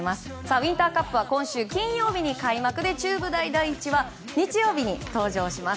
ウインターカップは今週金曜日に開幕で中部大第一は日曜日に登場します。